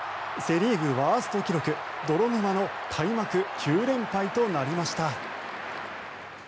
セ・リーグワースト記録泥沼の開幕９連敗となりました。